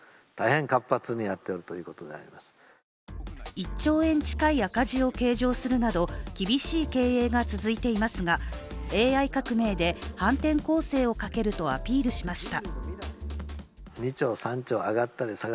１兆円近い赤字を計上するなど厳しい経営が続いていますが、ＡＩ革命で反転攻勢をかけるとアピールしました。